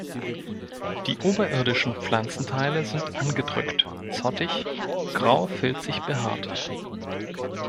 Die oberirdischen Pflanzenteile sind angedrückt, zottig grau-filzig behaart.